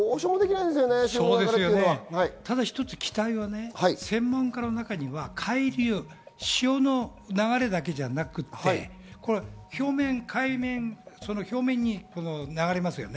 ただ、一つ期待は専門家の中には潮の流れだけではなくて海面の表面に流れますよね。